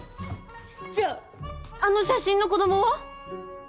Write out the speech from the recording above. じゃああの写真の子供は？